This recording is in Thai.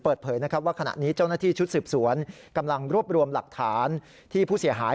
เปิดเผยนะครับว่าขณะนี้เจ้าหน้าที่ชุดสืบสวนกำลังรวบรวมหลักฐานที่ผู้เสียหาย